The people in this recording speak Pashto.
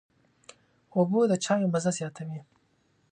اوبه د چايو مزه زیاتوي.